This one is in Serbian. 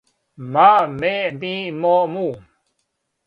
ма ме ми мо му